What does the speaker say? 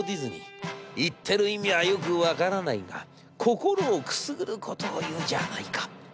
言ってる意味はよく分からないが心をくすぐることを言うじゃないか』。